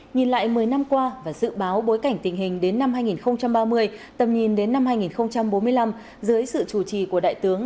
nhìn lại một mươi năm qua và dự báo bối cảnh tình hình đến năm hai nghìn ba mươi tầm nhìn đến năm hai nghìn bốn mươi năm dưới sự chủ trì của đại tướng